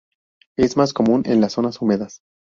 Es más común en las zonas húmedas.